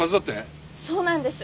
そうなんです。